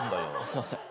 すいません。